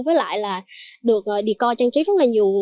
với lại là được deco trang trí rất là nhiều